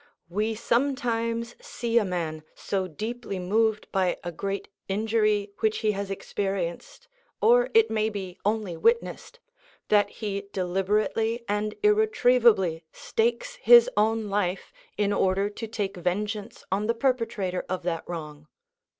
We sometimes see a man so deeply moved by a great injury which he has experienced, or, it may be, only witnessed, that he deliberately and irretrievably stakes his own life in order to take vengeance on the perpetrator of that wrong.